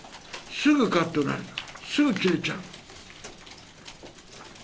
すぐカッとなる、すぐ切れちゃう。